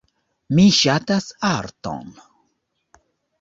Mi ŝatas arton.